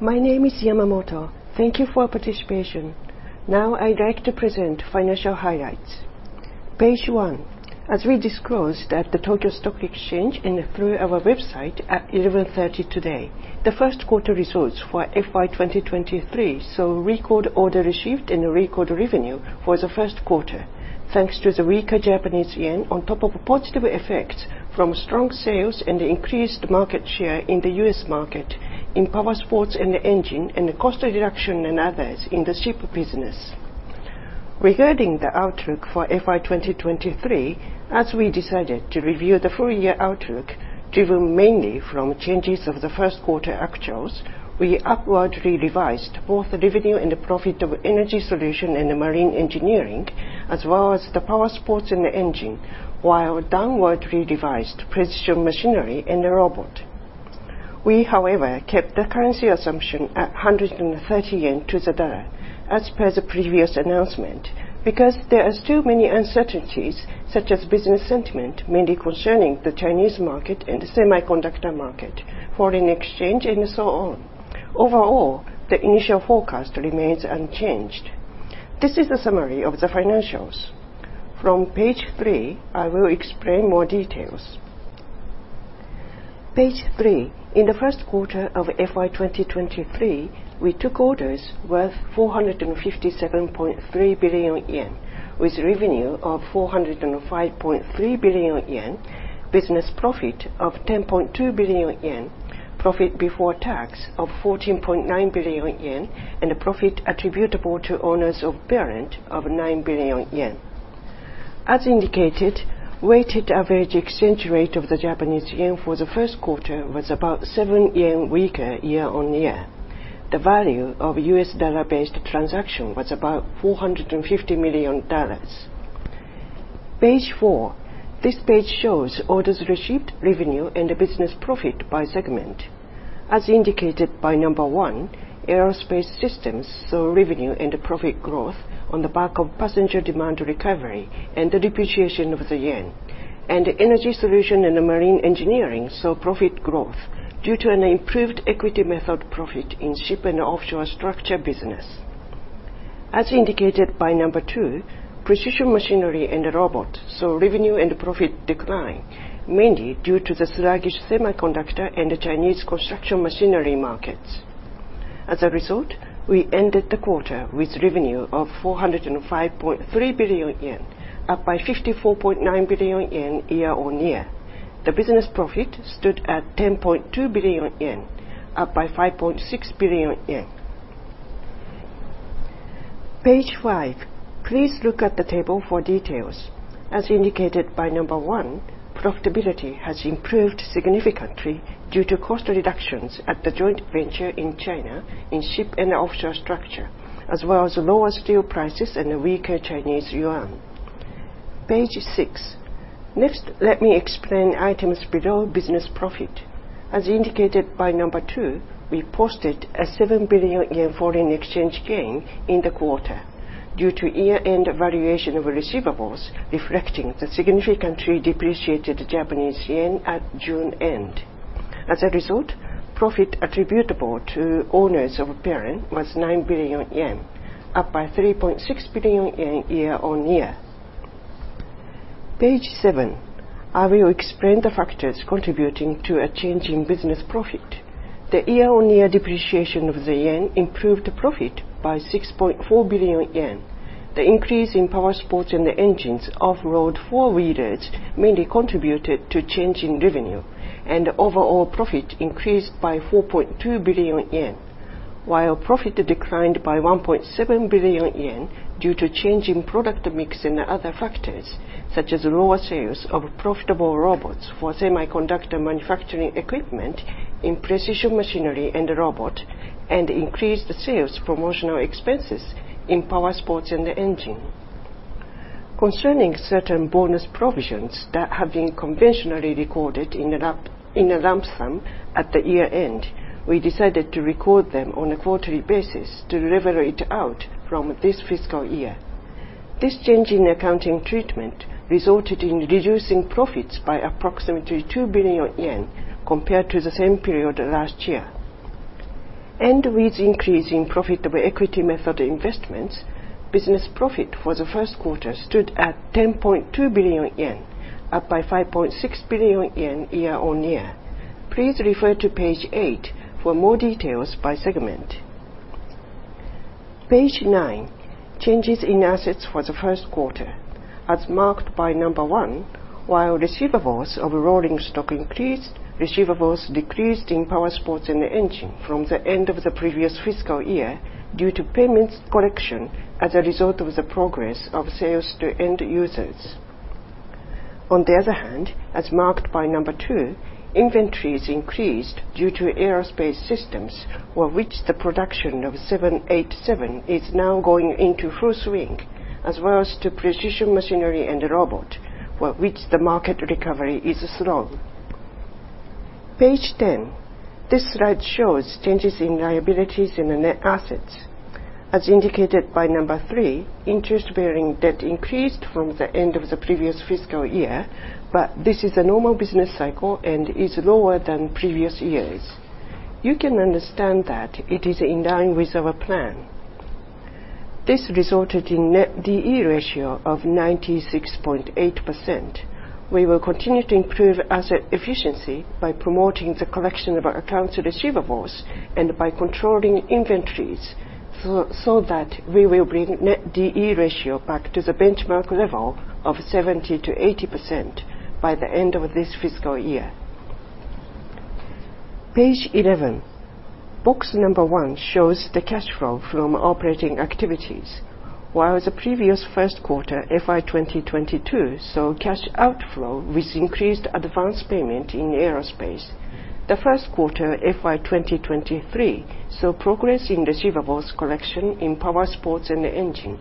My name is Yamamoto. Thank you for participation. Now, I'd like to present financial highlights. Page one, as we disclosed at the Tokyo Stock Exchange and through our website at 11:30 today, the first quarter results for FY 2023 saw record order received and a record revenue for the first quarter, thanks to the weaker Japanese yen, on top of positive effects from strong sales and increased market share in the U.S. market, in Powersports & Engine, and cost reduction and others in the ship business. Regarding the outlook for FY 2023, as we decided to review the full year outlook, driven mainly from changes of the first quarter actuals, we upwardly revised both the revenue and the profit of Energy Solution & Marine Engineering, as well as the Powersports & Engine, while downwardly revised Precision Machinery & Robot. We, however, kept the currency assumption at 130 yen to the dollar, as per the previous announcement, because there are still many uncertainties, such as business sentiment, mainly concerning the Chinese market and the semiconductor market, foreign exchange, and so on. Overall, the initial forecast remains unchanged. This is a summary of the financials. From page three, I will explain more details. Page three. In the first quarter of FY 2023, we took orders worth 457.3 billion yen, with revenue of 405.3 billion yen, business profit of 10.2 billion yen, profit before tax of 14.9 billion yen, and a profit attributable to owners of parent of 9 billion yen. As indicated, weighted average exchange rate of the Japanese yen for the first quarter was about 7 yen weaker year-on-year. The value of U.S. dollar-based transaction was about $450 million. Page four. This page shows orders received, revenue, and business profit by segment. As indicated by number one, Aerospace Systems saw revenue and profit growth on the back of passenger demand recovery and the depreciation of the yen, and Energy Solution & Marine Engineering saw profit growth due to an improved equity method profit in ship and offshore structure business. As indicated by number two, Precision Machinery & Robot saw revenue and profit decline, mainly due to the sluggish semiconductor and the Chinese construction machinery markets. As a result, we ended the quarter with revenue of 405.3 billion yen, up by 54.9 billion yen year-on-year. The business profit stood at 10.2 billion yen, up by 5.6 billion yen. Page five. Please look at the table for details. As indicated by number one, profitability has improved significantly due to cost reductions at the joint venture in China, in ship and offshore structure, as well as lower steel prices and a weaker Chinese yuan. Page six. Next, let me explain items below business profit. As indicated by number two, we posted a 7 billion yen foreign exchange gain in the quarter due to year-end valuation of receivables, reflecting the significantly depreciated Japanese yen at June end. As a result, profit attributable to owners of parent was 9 billion yen, up by 3.6 billion yen year-on-year. Page seven. I will explain the factors contributing to a change in business profit. The year-on-year depreciation of the yen improved profit by 6.4 billion yen. The increase in Powersports & Engine off-road four-wheelers mainly contributed to change in revenue, and overall profit increased by 4.2 billion yen, while profit declined by 1.7 billion yen due to change in product mix and other factors, such as lower sales of profitable robots for semiconductor manufacturing equipment in Precision Machinery & Robot, and increased sales promotional expenses in Powersports & Engine. Concerning certain bonus provisions that have been conventionally recorded in a lump, in a lump sum at the year-end, we decided to record them on a quarterly basis to level it out from this fiscal year. This change in accounting treatment resulted in reducing profits by approximately 2 billion yen compared to the same period last year. With increase in profit of equity method investments, business profit for the first quarter stood at 10.2 billion yen, up by 5.6 billion yen year-on-year. Please refer to page eight for more details by segment. Page nine, changes in assets for the first quarter. As marked by number one, while receivables of Rolling Stock increased, receivables decreased in Powersports & Engine from the end of the previous fiscal year due to payments collection as a result of the progress of sales to end users. On the other hand, as marked by number two, inventories increased due to Aerospace Systems, for which the production of 787 is now going into full swing, as well as to Precision Machinery & Robot, for which the market recovery is strong. Page 10. This slide shows changes in liabilities and in net assets. As indicated by number three, interest-bearing debt increased from the end of the previous fiscal year, but this is a normal business cycle and is lower than previous years. You can understand that it is in line with our plan. This resulted in net D/E ratio of 96.8%. We will continue to improve asset efficiency by promoting the collection of our accounts receivables and by controlling inventories, so that we will bring net D/E ratio back to the benchmark level of 70%-80% by the end of this fiscal year. Page 11. Box number one shows the cash flow from operating activities. While the previous first quarter, FY2022, saw cash outflow, which increased advance payment in aerospace, the first quarter, FY2023, saw progress in receivables collection in Powersports & Engine,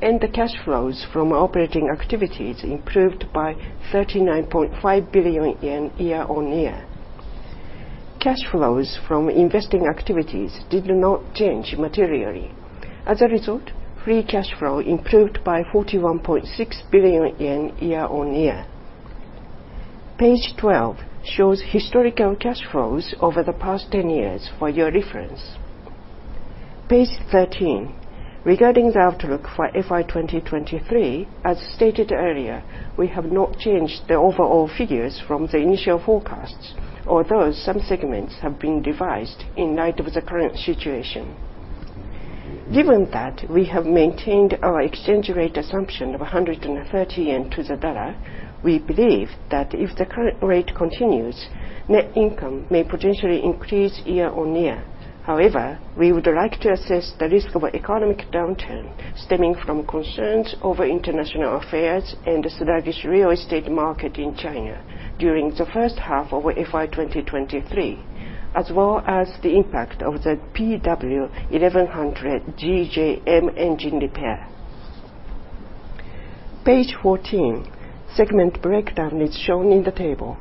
and the cash flows from operating activities improved by 39.5 billion yen year-on-year. Cash flows from investing activities did not change materially. As a result, free cash flow improved by 41.6 billion yen year-on-year. Page 12 shows historical cash flows over the past 10 years for your reference. Page 13. Regarding the outlook for FY2023, as stated earlier, we have not changed the overall figures from the initial forecasts, although some segments have been revised in light of the current situation. Given that, we have maintained our exchange rate assumption of 130 yen to the dollar. We believe that if the current rate continues, net income may potentially increase year-on-year. However, we would like to assess the risk of economic downturn stemming from concerns over international affairs and the sluggish real estate market in China during the first half of FY2023, as well as the impact of the PW1100G-JM engine repair. Page 14, segment breakdown is shown in the table.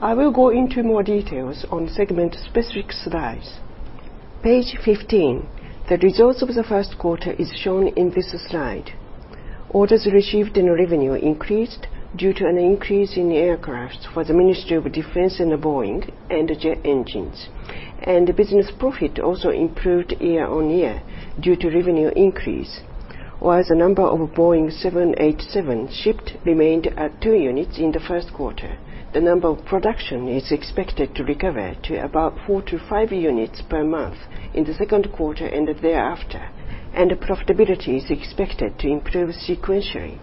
I will go into more details on segment specific slides. Page 15, the results of the first quarter is shown in this slide. Orders received and revenue increased due to an increase in aircraft for the Ministry of Defense and Boeing, and the jet engines. The business profit also improved year-on-year due to revenue increase. While the number of Boeing 787 shipped remained at two units in the first quarter, the number of production is expected to recover to about 4-5 units per month in the second quarter and thereafter. Profitability is expected to improve sequentially.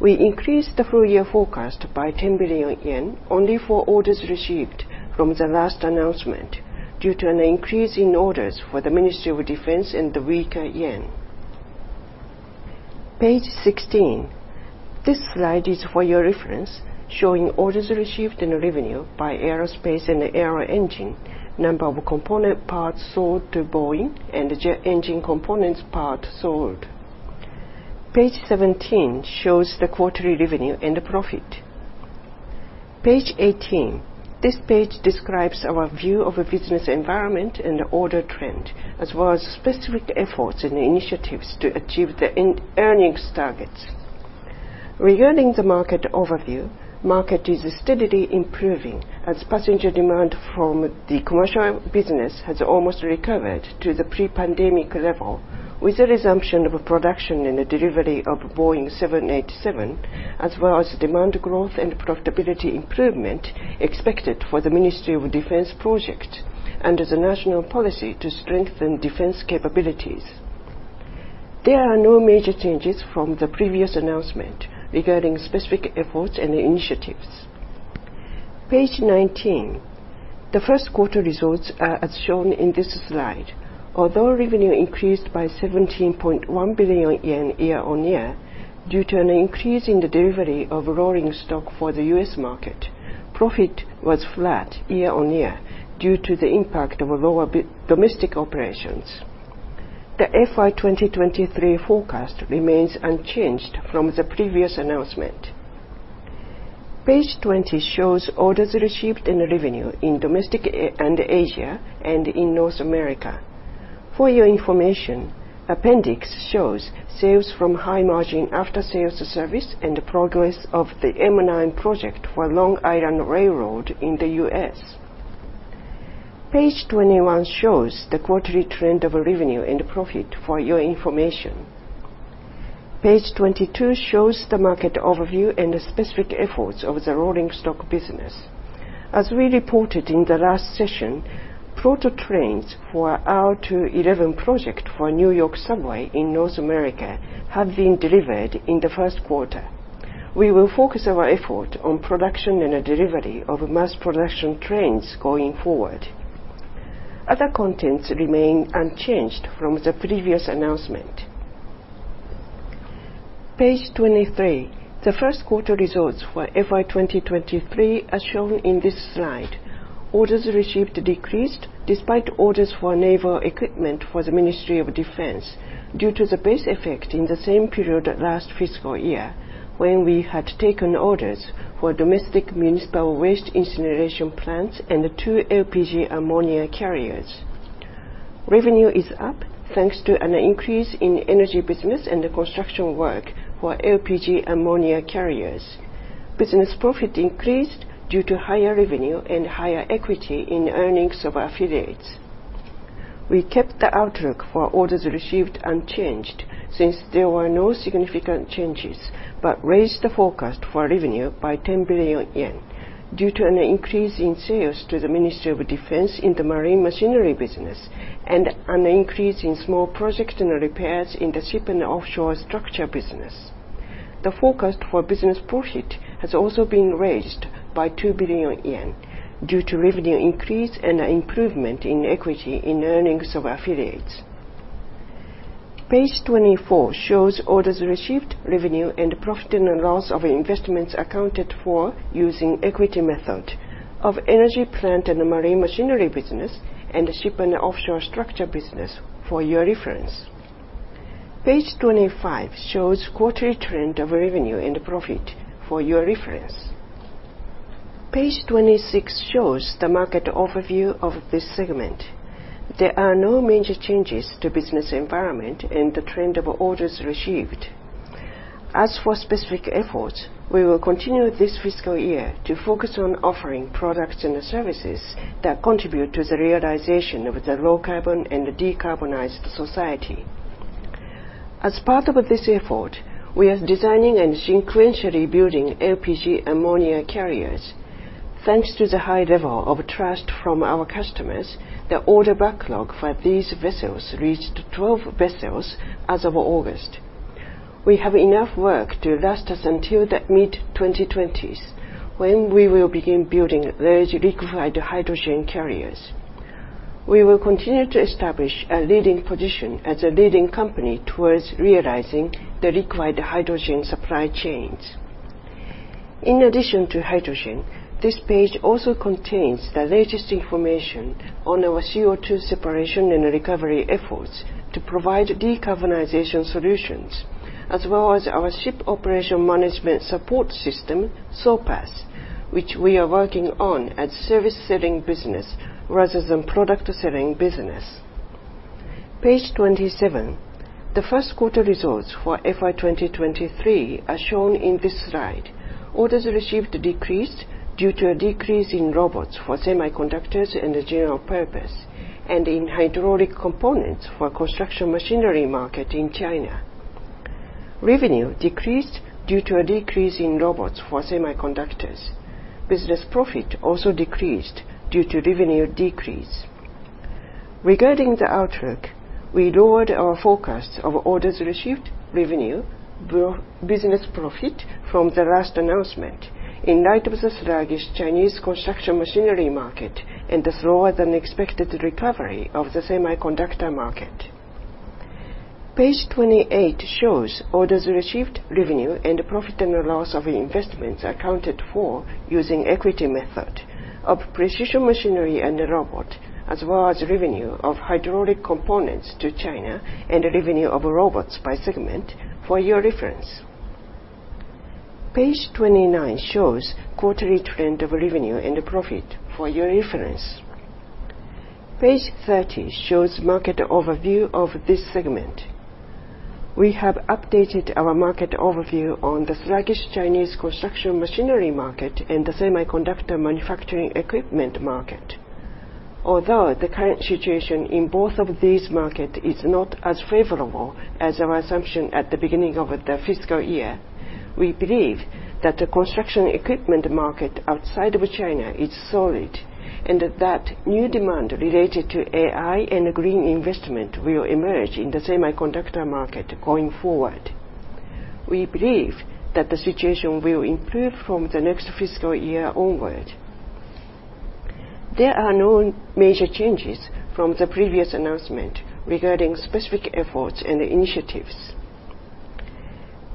We increased the full year forecast by 10 billion yen, only for orders received from the last announcement, due to an increase in orders for the Ministry of Defense and the weaker yen. Page 16. This slide is for your reference, showing orders received and revenue by aerospace and aero engine, number of component parts sold to Boeing, and jet engine components part sold. Page 17 shows the quarterly revenue and the profit. Page 18. This page describes our view of a business environment and the order trend, as well as specific efforts and initiatives to achieve the earnings targets. Regarding the market overview, market is steadily improving as passenger demand from the commercial business has almost recovered to the pre-pandemic level, with the resumption of production and the delivery of Boeing 787, as well as demand growth and profitability improvement expected for the Ministry of Defense project, under the national policy to strengthen defense capabilities. There are no major changes from the previous announcement regarding specific efforts and initiatives. Page 19. The first quarter results are as shown in this slide. Although revenue increased by 17.1 billion yen year-on-year due to an increase in the delivery of Rolling Stock for the U.S. market, profit was flat year-on-year due to the impact of lower domestic operations. The FY2023 forecast remains unchanged from the previous announcement. Page 20 shows orders received and revenue in domestic and Asia and in North America. For your information, appendix shows sales from high-margin after-sales service and progress of the M9 project for Long Island Rail Road in the U.S. Page 21 shows the quarterly trend of revenue and profit for your information. Page 22 shows the market overview and the specific efforts of the Rolling Stock business. As we reported in the last session, proto trains for our R211 project for New York City Subway in North America have been delivered in the first quarter. We will focus our effort on production and the delivery of mass production trains going forward. Other contents remain unchanged from the previous announcement. Page 23. The first quarter results for FY2023 are shown in this slide. Orders received decreased, despite orders for naval equipment for the Ministry of Defense, due to the base effect in the same period last fiscal year, when we had taken orders for domestic municipal waste incineration plants and two LPG ammonia carriers. Revenue is up, thanks to an increase in energy business and the construction work for LPG ammonia carriers. Business profit increased due to higher revenue and higher equity in earnings of affiliates. We kept the outlook for orders received unchanged, since there were no significant changes, but raised the forecast for revenue by 10 billion yen, due to an increase in sales to the Ministry of Defense in the Marine Machinery business, and an increase in small projects and repairs in the Ship and Offshore Structure business. The forecast for business profit has also been raised by 2 billion yen, due to revenue increase and an improvement in equity in earnings of affiliates. Page 24 shows orders received, revenue, and profit and loss of investments accounted for using equity method of Energy Plant and Marine Machinery business, and Ship and Offshore Structure business for your reference. Page 25 shows quarterly trend of revenue and profit for your reference. Page 26 shows the market overview of this segment. There are no major changes to business environment and the trend of orders received. As for specific efforts, we will continue this fiscal year to focus on offering products and services that contribute to the realization of the low carbon and decarbonized society. As part of this effort, we are designing and sequentially building LPG ammonia carriers. Thanks to the high level of trust from our customers, the order backlog for these vessels reached 12 vessels as of August. We have enough work to last us until the mid-2020s, when we will begin building large liquefied hydrogen carriers. We will continue to establish a leading position as a leading company towards realizing the required hydrogen supply chains. In addition to hydrogen, this page also contains the latest information on our CO2 separation and recovery efforts to provide decarbonization solutions, as well as our ship operation management support system, SOPass, which we are working on as service-selling business rather than product-selling business. Page 27, the first quarter results for FY2023 are shown in this slide. Orders received decreased due to a decrease in robots for semiconductors and general purpose, and in hydraulic components for construction machinery market in China. Revenue decreased due to a decrease in robots for semiconductors. Business profit also decreased due to revenue decrease. Regarding the outlook, we lowered our forecast of orders received, revenue, business profit from the last announcement in light of the sluggish Chinese construction machinery market and the slower-than-expected recovery of the semiconductor market. Page 28 shows orders received, revenue, and profit and loss of investments accounted for using equity method of Precision Machinery & Robot, as well as revenue of hydraulic components to China and revenue of robots by segment for your reference. Page 29 shows quarterly trend of revenue and profit for your reference. Page 30 shows market overview of this segment. We have updated our market overview on the sluggish Chinese construction machinery market and the semiconductor manufacturing equipment market. Although the current situation in both of these market is not as favorable as our assumption at the beginning of the fiscal year, we believe that the construction equipment market outside of China is solid, and that new demand related to AI and green investment will emerge in the semiconductor market going forward. We believe that the situation will improve from the next fiscal year onward. There are no major changes from the previous announcement regarding specific efforts and initiatives.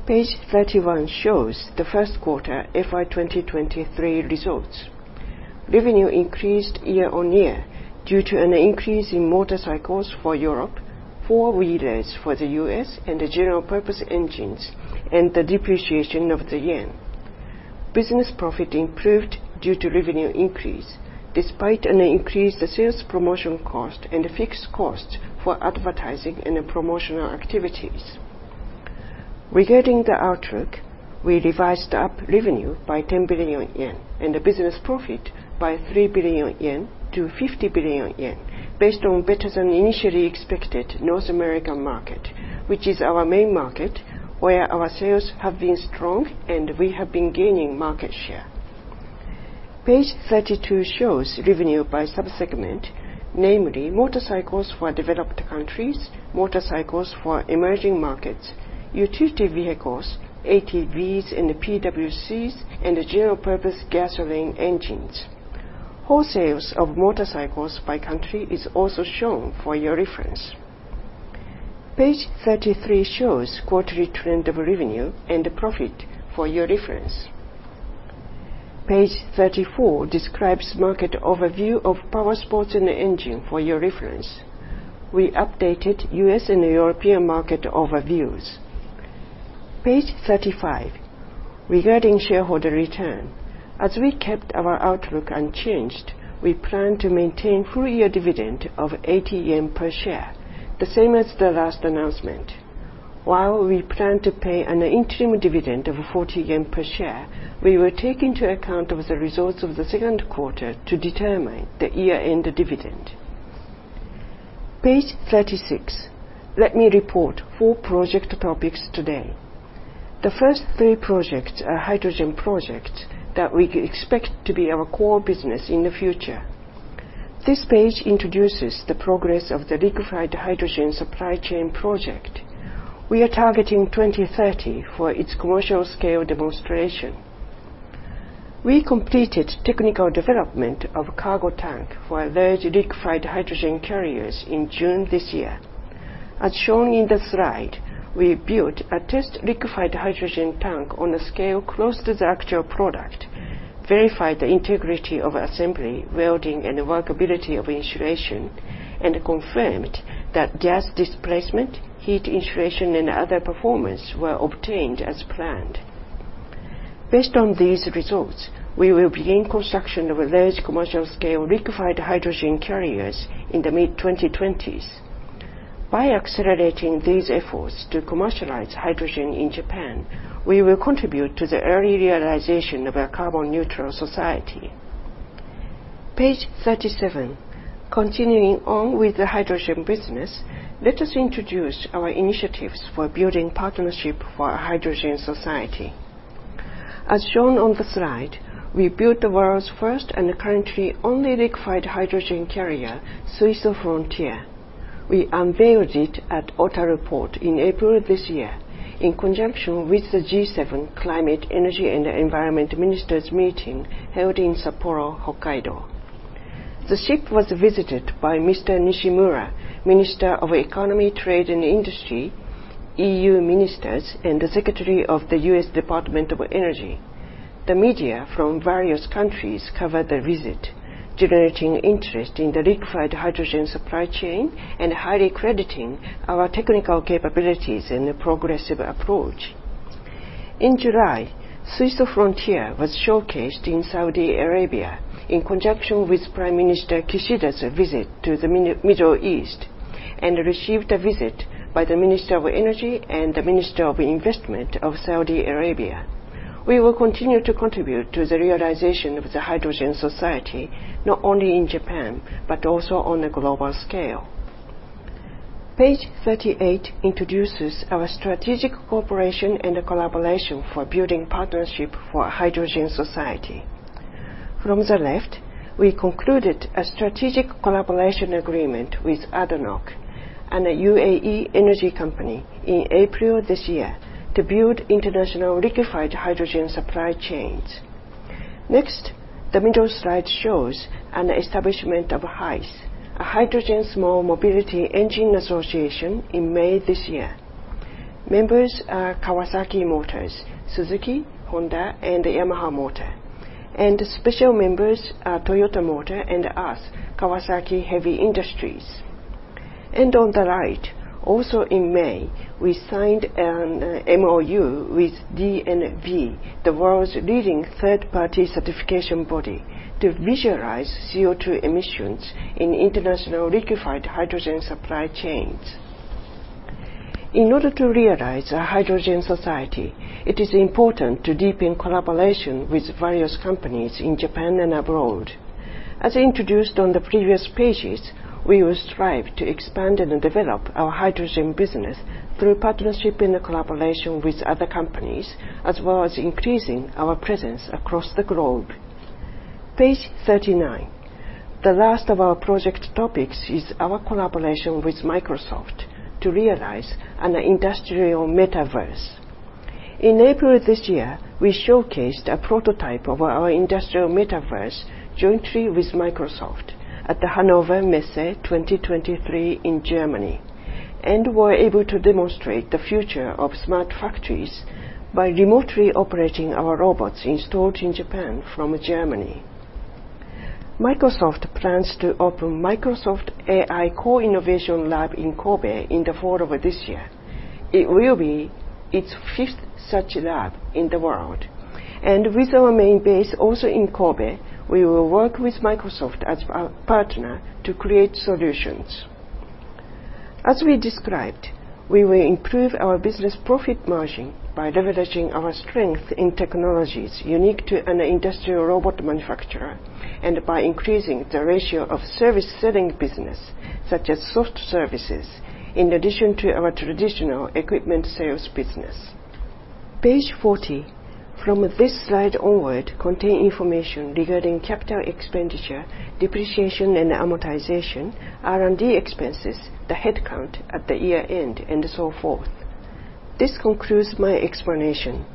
Page 31 shows the first quarter FY2023 results. Revenue increased year-on-year due to an increase in motorcycles for Europe, four-wheelers for the U.S., and the general-purpose engines, and the depreciation of the yen. Business profit improved due to revenue increase, despite an increased sales promotion cost and fixed cost for advertising and promotional activities. Regarding the outlook, we revised up revenue by 10 billion yen, and the business profit by 3 billion yen to 50 billion yen, based on better than initially expected North American market, which is our main market, where our sales have been strong and we have been gaining market share. Page 32 shows revenue by sub-segment, namely motorcycles for developed countries, motorcycles for emerging markets, utility vehicles, ATVs and PWCs, and general-purpose gasoline engines. Whole sales of motorcycles by country is also shown for your reference. Page 33 shows quarterly trend of revenue and profit for your reference. Page 34 describes market overview of Powersports & Engine for your reference. We updated U.S. and European market overviews. Page 35. Regarding shareholder return, as we kept our outlook unchanged, we plan to maintain full year dividend of 80 yen per share, the same as the last announcement. While we plan to pay an interim dividend of 40 yen per share, we will take into account of the results of the second quarter to determine the year-end dividend. Page 36. Let me report four project topics today. The first three projects are hydrogen projects that we expect to be our core business in the future. This page introduces the progress of the liquefied hydrogen supply chain project. We are targeting 2030 for its commercial scale demonstration. We completed technical development of cargo tank for large liquefied hydrogen carriers in June this year. As shown in the slide, we built a test liquefied hydrogen tank on a scale close to the actual product, verified the integrity of assembly, welding, and the workability of insulation, and confirmed that gas displacement, heat insulation, and other performance were obtained as planned. Based on these results, we will begin construction of a large commercial scale liquefied hydrogen carriers in the mid-2020s. By accelerating these efforts to commercialize hydrogen in Japan, we will contribute to the early realization of a carbon neutral society. Page 37. Continuing on with the hydrogen business, let us introduce our initiatives for building partnership for a hydrogen society. As shown on the slide, we built the world's first and currently only liquefied hydrogen carrier, SUISO FRONTIER. We unveiled it at Otaru Port in April this year in conjunction with the G7 Ministers' Meeting on Climate, Energy and Environment, held in Sapporo, Hokkaido. The ship was visited by Mr. Nishimura, Minister of Economy, Trade, and Industry, EU ministers, and the Secretary of the U.S. Department of Energy. The media from various countries covered the visit, generating interest in the liquefied hydrogen supply chain, highly crediting our technical capabilities and progressive approach. In July, SUISO FRONTIER was showcased in Saudi Arabia in conjunction with Prime Minister Kishida's visit to the Middle East, received a visit by the Minister of Energy and the Minister of Investment of Saudi Arabia. We will continue to contribute to the realization of the hydrogen society, not only in Japan, but also on a global scale. Page 38 introduces our strategic cooperation and collaboration for building partnership for a hydrogen society. From the left, we concluded a strategic collaboration agreement with ADNOC, a UAE energy company, in April this year to build international liquefied hydrogen supply chains. Next, the middle slide shows an establishment of HySE, a Hydrogen Small mobility & Engine association, in May this year. Members are Kawasaki Motors, Suzuki, Honda, and Yamaha Motor, and special members are Toyota Motor and us, Kawasaki Heavy Industries. On the right, also in May, we signed an MOU with DNV, the world's leading third-party certification body, to visualize CO2 emissions in international liquefied hydrogen supply chains. In order to realize a hydrogen society, it is important to deepen collaboration with various companies in Japan and abroad. As introduced on the previous pages, we will strive to expand and develop our hydrogen business through partnership and collaboration with other companies, as well as increasing our presence across the globe. Page 39. The last of our project topics is our collaboration with Microsoft to realize an industrial metaverse. In April this year, we showcased a prototype of our industrial metaverse jointly with Microsoft at the Hannover Messe 2023 in Germany, and were able to demonstrate the future of smart factories by remotely operating our robots installed in Japan from Germany. Microsoft plans to open Microsoft AI Co-Innovation Lab in Kobe in the fall of this year. It will be its fifth such lab in the world, and with our main base also in Kobe, we will work with Microsoft as our partner to create solutions. As we described, we will improve our business profit margin by leveraging our strength in technologies unique to an industrial robot manufacturer, and by increasing the ratio of service-selling business, such as soft services, in addition to our traditional equipment sales business. Page 40, from this slide onward, contain information regarding capital expenditure, depreciation and amortization, R&D expenses, the headcount at the year-end, and so forth. This concludes my explanation.